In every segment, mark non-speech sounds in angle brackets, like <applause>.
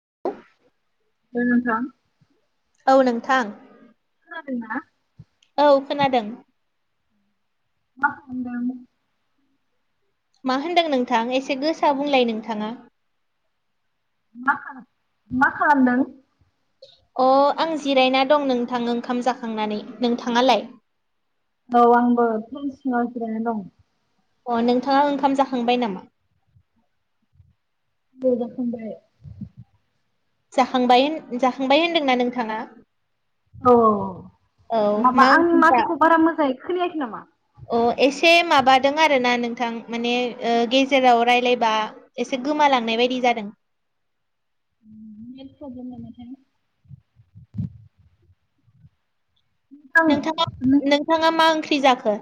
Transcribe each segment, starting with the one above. <unintelligible> औ नोंथां खोनादों ना औ खोनादों मा होन्दों मा होनदों नोंथां एसे गोसा बुंलाय नोंथाङा मा खालाम मा खालामदों अ आं जिरायना दं नोंथां ओंखाम जाखांनानै नोंथाङालाय औ आंबो बिफां सिंआव जिरायनानै दं अ नोंथाङा ओंखाम जाखांबाय नामा औ जाखांबाय जाखांबाय होन जाखांबाय होनदोंना नोंथाङा औ औ माबा मा आं ओंख्रि जा माथोखौ बारा मोजाङै खोनायाखै नामा अ एसे माबादों आरो ना नोंथां माने ओ गेजेराव रायलायबा एसे गोमा लांनाय बायदि जादों <unintelligible> नोंथाङा आं नोंथाङा मा ओंख्रि जाखो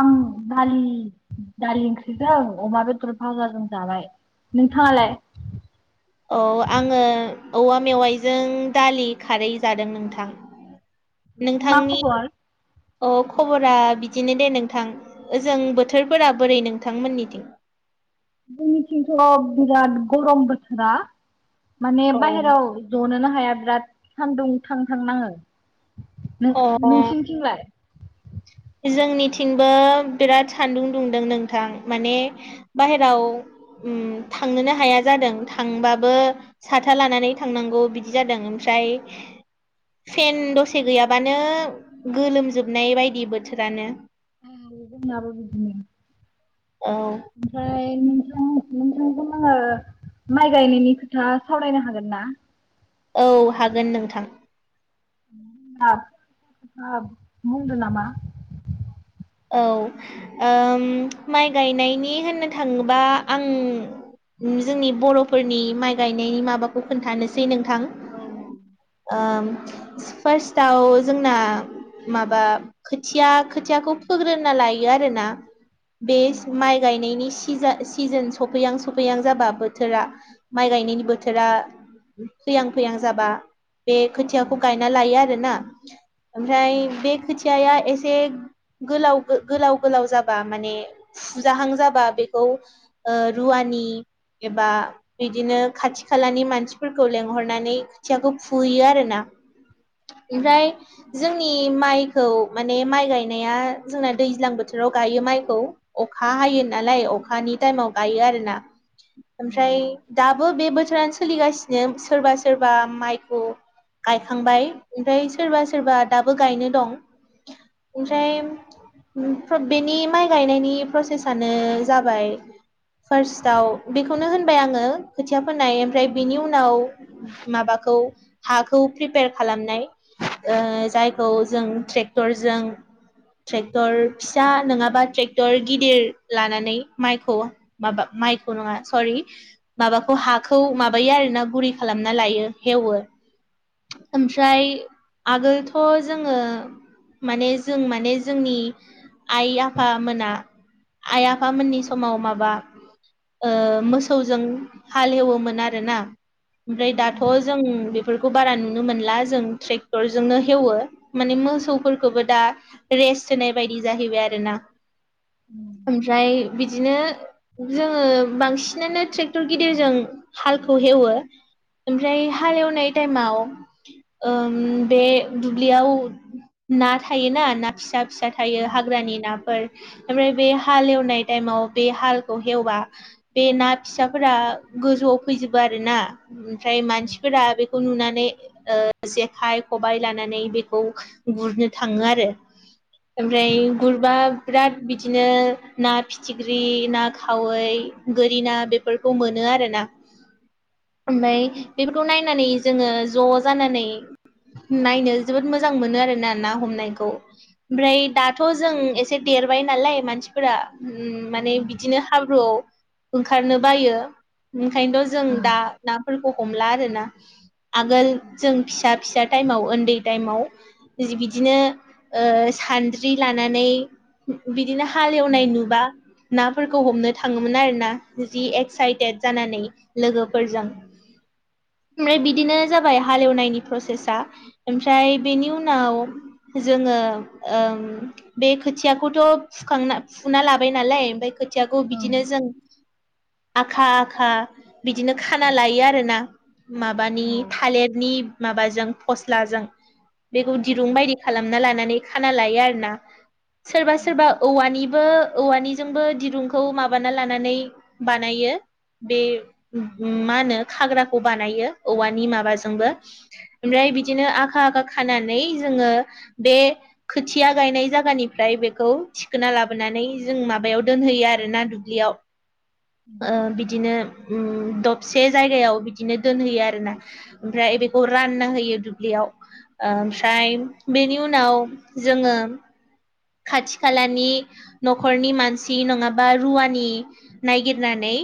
आं दालि दालि ओंख्रिजों अमा बेदर भाजाजों जाबाय। नोंथाङालाय औ आङो औवा मेवाइजों दालि खारै जादों नोंथां मा नोंथांनि खबर अ खबरा बिदिनो दे नोंथां ओजों बोथोरफोरा बोरै नोंथांमोननिथिं जोंनिथिंथ' बिराद गरम बोथोरा माने अ बायेराव ज'नोनो हाया बिराद सानदुं थां थां नाङो। नों-नोंसिनिथिंलाय जोंनिथिंबो बिराद सानदुं दुंदों नोंथां माने बाहेराव अम थांनोनो हाया जादों थांबाबो साथा लानानै थांनांगौ बिदि जादों ओमफ्राय बे फेन दसे गैयाबानो गोलोमजोबनाय बायदि बो थोरानो ए जोंनाबो बिदिनो औ ओमफ्राय नोंथांजों आङो माइ गायनायनि खोथा सावरायनो हागोन ना औ हागोन नोंथां <unintelligible> औ ओम माइ गायनायनि होननो थाङोबा आं जोंनि बर'फोरनि माइ गायनायनि माबाखौ खोन्थानोसै नों थां औ ओम फार्स्टआव जोंना माबा खोथिया खोथियाखौ फोग्रोना लायो आरोना बे औ माइ गायनायनि सि सिजा सिजोन सफैहां सौफैहां जाबा बोथोरा माइ गायनायनि बोथोरा फैहां फैहां जाबा बे खोथियाखौ गायना लायो आरोना। ओमफ्राय बे खोथियाया एसे गोलाव-गो-गोलाव-गोलाव जाबा माने फुजाहां जाबा बेखौ ओ रुवा नि एबा बिदिनो खाथि खालानि मानसिफोरखौ लेंहरनानै खोथियाखौ फुयो आरोना। <inaudible> ओमफ्राय जोंनि माइखौ माने माइ गाय नाया जोंना दैज्लां बोथोराव गायो माइखौ अखा हायो नालाय अखानि टाइमाव गायो आ रोना औ ओमफ्राय दाबो बे बोथोरानो सोलिगासिनो सोरबा सोरबा माइखौ गायखांबाय ओमफ्राय सोरबा सोरबा दाबो गायनो दं। ओमफ्राय बेनि माइ गायनायनि प्रसेसआनो जाबाय फार्स्टआव बेखौनो होनबाय आङो खोथिया फोनाय ओमफ्राय बेनि उनाव माबाखौ हाखौ प्रिपेयार खालामनाय ओ जायखौ जों ट्रेक्टरजों ट्रेक्टर फिसा नङाबा ट्रेक्टर गिदिर लानानै माइखौ माबा माइखौ नङा सरि माबाखौ हाखौ माबायो आरो ना गुरै खालामना लायो हेवो ओमफ्राय आगोलथ' जोङो माने जों माने जोंनि आइ आफोमोना आइ आफामोननि समाव माबा ओ मोसौजों हालेवोमोन आरोना। ओमफ्राय औ दाथ' जों बेफोरखौ खौ बारा नुनो मोनला जों ट्रेक्टरजोंनो हेवो माने मोसौफोरखौबो दा रेस्ट होनाय बायदि जाहैबाय आरोना ओमफ्राय बिदिनो जोङो बांसिनानो ट्रेक्टर गिदिरजों हालखौ हेवो। ओमफ्राय हालेवनाय टाइमाव ओम बे दुब्लियाव ना थायोना ना फिसा फिसा थायो औ हाग्रानि नाफोर ओमफ्राय बे हाल एवनाय टाइमाव बे हालखौ एवबा बे ना फिसाफोरा गोजौआव फै फैजोबो आरोना ओमफ्राय मानसिफोरा बेखौ नुनानै ओ जेखाइ खबाइ लानानै बेखौ गुरनो थाङो आरो ओमफ्राय गुरबा बिराद। बिदिनो ना फिथिख्रि ना खावै गोरि ना बेफोरखौ मोनो आरोना। <unintelligible> ओमफ्राय बेफोरखौ नायनानै। जोङो ज' जानानै नायनो जोबोद मोजां मोनो आरोना ना हमनायखौ। ओमफ्राय दाथ' जों एसे देरबाय नालाय मानसिफोरा। माने बिदिनो हाब्रुआव। ओंखारनो बायो ओंखायनोथ' जों दा नाफोरखौ हमला आरोना। आगोल जों फिसा फिसा टाइमाव उन्दै टाइमाव जि बिदिनो। ओ सानद्रि लानानै बिदिनो हाल एवनाय नुबा। नाफोरखौ हमनो थाङोमोन आर ना जि एक्साइटेड जानानै लोगो। फोरजों। ओमफ्राय बिदिनो जाबाय हालेवनायनि प्रसेसा ओमफ्राय बेनि उनाव। जोङो ओम बे खोथियाखौथ' फुखांना फुना लाबाय नालाय ओमफ्राय खोथिया। खौ बिदिनो जों आखा आखा बिदिनो खाना लायो आरोना। माबानि थालिरनि माबाजों फस्लाजों बेखौ दिरुं बायदि। खालामना लानानै खाना लायो आरो ना सोरबा सोरबा औवानिबो। औवानिजोंबो दिरुंखौ माबाना लानानै बानायो बे मा होनो खाग्रा। खौ बानायो औवानि माबाजोंबो ओमफ्राय बिदिनो आखा आखा खानानै जोङो। बे खोथिया गायनाय जायगानिफ्राय बेखौ थिखोना लाबोनानै जों माबायाव दोनहोयो। थैयो आरो ना दुब्लियाव ओ बिदिनो ओम, दबसे जायगायाव बिदिनो दोनहोयो आरोना ओमफ्राय बेखौ रानना होयो दुब्लियाव। ओमफ्राय जाउनाव जोङो खाथि खालानि न'खरनि मानसि नङाबा रुवानि नायगिरनानै।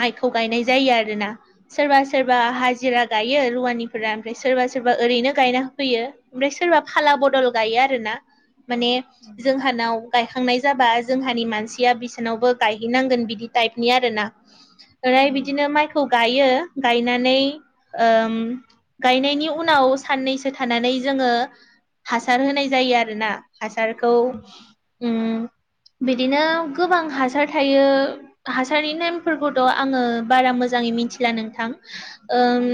माइखौ गायनाय जायो आरोना। सोरबा सोरबा हाजिरा गायो रुवानिफोरा ओमफ्राय सोरबा सोरबा ओरैनो गायना होफैयो ओमफ्राय सोरबा। खाला बदल गायो आरो ना माने। इसानाव गायखांनाय जाबा जोंहानि मानसिया बिसानावबो गायहैनांगोन बिदि टाइपनि आर ना। ओफ्राय बिदिनो माइखौ गायो गायनानै। ओम गायनायनि उनाव साननैसो थानानै जोङो। हासार होनाय जायो आरो ना हासारखौ ओम। बिदिनो गोबां हासार थायो हासारनि नेमफोरखौथ' आङो बारा मोजां। मोनथिला नोंथां ओम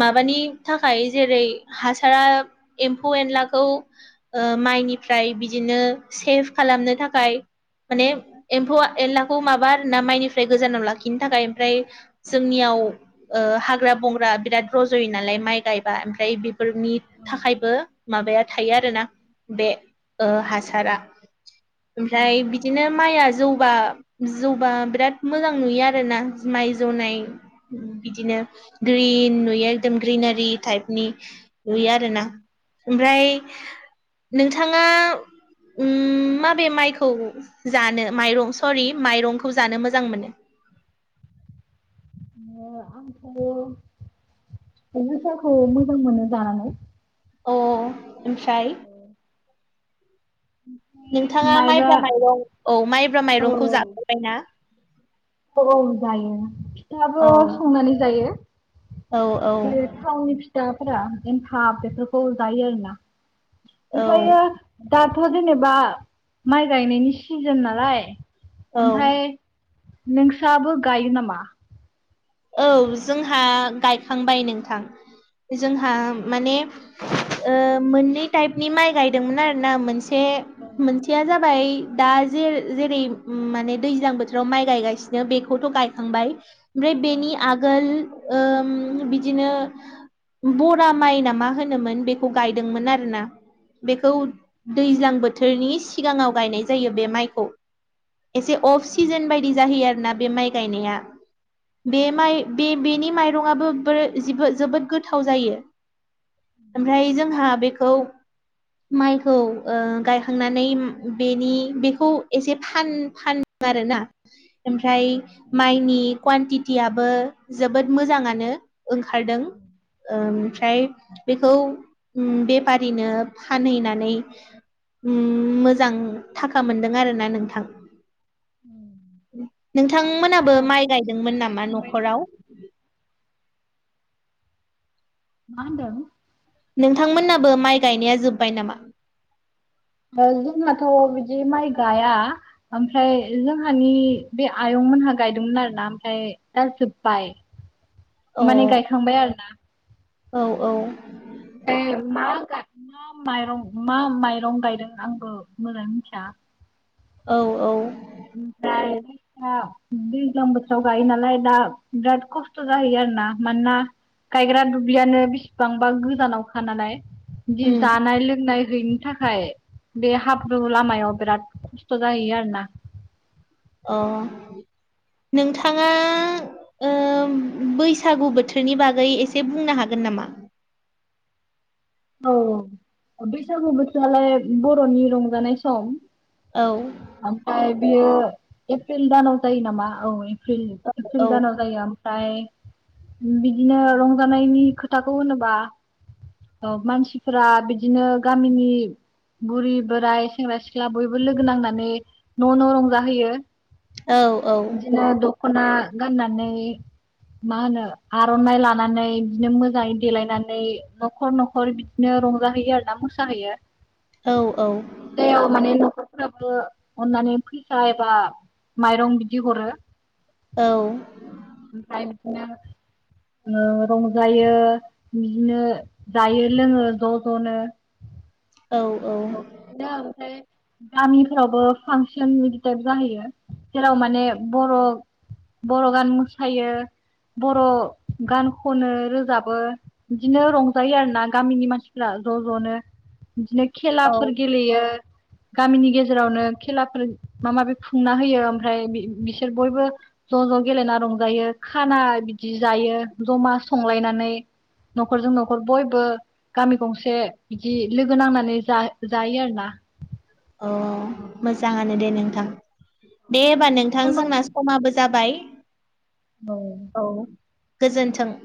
माबा। माबानि थाखाय जेरै हासारा एम्फौ एनलाखौ ओ माइनि। ओमफ्राय बिदिनो सेभ खालामनो थाखाय। माने एम्फौ एनलाखौ माबा आरो ना माइनिफ्राय गोजानाव लाखिनो थाखाय ओमफ्राय जोंनियाव। ओ ओ हाग्रा बंग्रा बिरात रजयो नालाय माइ गायबा ओमफ्राय बि फोरनि औ थाखायबो माबाया थायो आरोना बे ओ हासारा औ ओमफ्राय औ बिदिनो माइआ जौ। बा जौबा बिराद मोजां नुयो आरोना माइ जौनाय बिदिनो। ग्रिन नुयो एकदम ग्रिनारि टाइपनि। नुयो आरो ना औ ओमफ्राय - <inaudible> नोंथ। माबे माइखौ जानो माइरं सरि माइरंखौ जानो मोजां मोनो। - <inaudible> आंथ'साखौ मोजां मोनो जानानै। ओ ओफ्राय। नोंथाङा माइब्रा माइरं औ माइब्रा औ माइरंखौ जापेरबाय ना। औ औ जायो फिथाबो औ संनानै जायो औ औ । ओ थावनि फि फिथाफोरा एमथाब बेफोरखौ जायो आरोना औ ओमफ्रायो दा दा जेनेबा माइ गायनायनि सिजोन नालाय औ ओमफ्राय नोंसाबो गायो नामा? औ जोंहा गायखांबाय नोंथां जोंहा माने ओ मोननै टाइपनि माइ गायदोंमोन आर ना मोनसे औ मोनसेया जाबाय दा जे जेरै माने दैज्लां बोथोराव माइ गायगासिनो बेखौथ' गायखांबाय बेनि आगोल ओम बिदिनो बरा माइ न मा होनोमोन बे गायदोंनोन आरोना बोथोरनि सिगाङाव गायनाय जायो बे माइखौ एसे अफ सिजोन बायदि जाहैयो आरोना । बे माय गायनाया बे माय बे बेनि माय ज जो जोबोत गोथाव जायो ओफ्राय जोंहा औ । माइखौ गायखांनानै बेनि बेखौ एसे फान फान आरोना। ओमफ्राय माइनि क्वानटितयाबो जोबोद मोजाङानो ओंखारदों ओमफ्राय बेखौ बेफारिनो फानहैनानै मोजां था खा मोन आरोोना नोंथ नोंथांमोनाबो माइ गायदोंमोन नामा न'खराव? माहोनदों? नोंथांमोननाबो माइ गायनाया जोब्बाय नामा? जोंहाथ' बिदि माइ गाया ओमफ्राय जोंहानि बे आयं नोंथमोनहा गायदोंमोन आरो ना ओमफ्राय दा जोब्बाय अ । माने गायखांबाय आरोना । औ औ । ओफ्राय मा मा माइरं मा माइरं गायदों आंबो मोजाङै मिथिया । आ । औ औ । ओमफ्राय दा दैज्लां बोथोराव गायो नालाय दा बिराद खस्थ' जाहैयो आरो । आरो ना मानोना गायग्रा दुब्लियानो बेसेबांबा गोजानावखा नालाय ज उम जान नाय लोंनाय हैनो थाखाय बे हाब्रु लामायाव बिराद खस्थ' जाहैयो आरो ना । अ नोंथाङा बैसागु बोथोरनि बागै एसे बुंनो हागोन नामा? औ बैसागु बोथोरालाय बर'नि रंजानाय सम औ ओमफ्राय बियो एप्रिल दानाव जायो नामा औ। एप्रिल औ दानाव जायो । ओमफ्राय बिदिनो रंजानायनि खोथाखौ होनोबा औ मानसिफोरा बिदिनो गामिनि बुरि बोराय सेंग्रा सिख्ला बयबो लोगो नांनानै न' न' रंजाहोयो । औ औ बिदिनो दख'ना गाननानै मा होनो आर'नाइ लानानै बिदिनो मोजाङै देलायनानै न'खर न'खर बिदिनो रंजाहैयो आर ना मोसाहैयो औ औ जेयाव माने नखरफोराबो अननानै फैसा एबा माइरं बिदि हरो । औ । रंजायो बिदिनो । जायो लोङो ज' ज'नो औ औ दा <unintelligible> गामिफोरावबो फांसन बिदि टाइप जाहैयो जेराव माने बर' बर' गान मोसायो बर' गान खनो रोजाबो बिदिनो रंजायो आरो ना गामिनि मानसिफ्रा ज' ज'नो बिदिनो औ खेलाफोर गेलेयो गामिनि गेजेरावनो खेलाफोर मा माबि खुंना होयो ओमफ्राय बिसोर बयबो ज' ज' गेलेना रंजायो खाना बिदि जायो ज'मा संलायनानै न'खरजों न'खर बयबो गामि गंसे बिदि लोगो नांनानै जायो आरोना अ मोजाङानो दे नोंथां दे होनबा नोंथां होमबा जोंना समाबो जाबाय औ गोजोन्थों